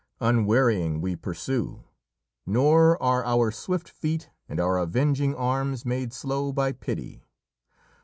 Unwearying we pursue, nor are our swift feet and our avenging arms made slow by pity.